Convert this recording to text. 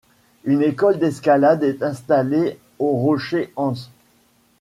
Une école d'escalade est installée au Rocher Hans.